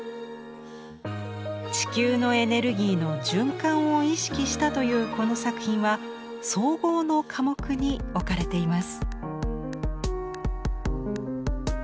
地球のエネルギーの循環を意識したというこの作品は総合の科目に置かれています。